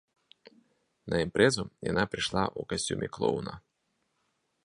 На імпрэзу яна прыйшла ў касцюме клоуна.